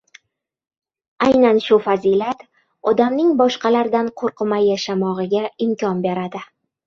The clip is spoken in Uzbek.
Aynan shu fazilat odamning boshqalardan qo‘rqmay yashamog‘iga imkon beradi.